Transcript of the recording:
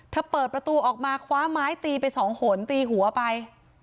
เปิดประตูออกมาคว้าไม้ตีไปสองหนตีหัวไป